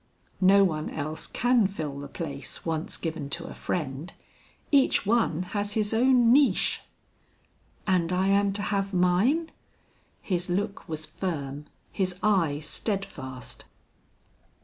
"No one else can fill the place once given to a friend. Each one has his own niche." "And I am to have mine?" His look was firm, his eye steadfast.